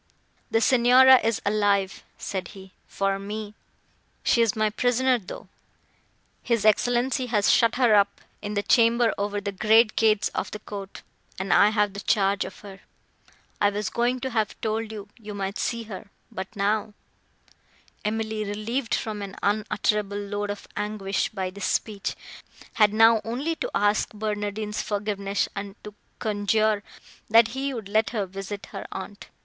"The Signora is alive," said he, "for me. She is my prisoner, though; his Excellenza has shut her up in the chamber over the great gates of the court, and I have the charge of her. I was going to have told you, you might see her—but now—" Emily, relieved from an unutterable load of anguish by this speech, had now only to ask Barnardine's forgiveness, and to conjure, that he would let her visit her aunt.